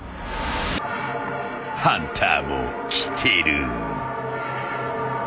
［ハンターも来てる］